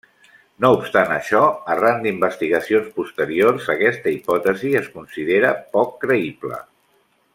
No obstant això, arran d'investigacions posteriors aquesta hipòtesi es considera poc creïble.